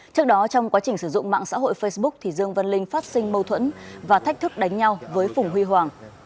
trước đó trong quá trình sử dụng mạng xã hội facebook dương vân linh phát sinh mâu thuẫn và thách thức đánh nhau với phùng huy hoàng